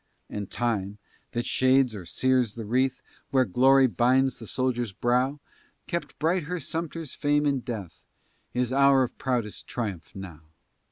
And time, that shades or sears the wreath, Where glory binds the soldier's brow, Kept bright her Sumter's fame in death, His hour of proudest triumph, now.